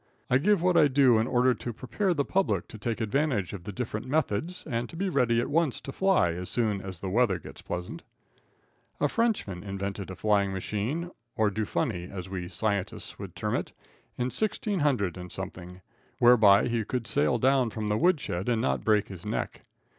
I give what I do in order to prepare the public to take advantage of the different methods, and be ready at once to fly as soon as the weather gets pleasant. A Frenchman invented a flying machine, or dofunny, as we scientists would term it, in 1600 and something, whereby he could sail down from the woodshed and not break his neck.